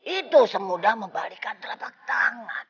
itu semudah membalikan telapak tangan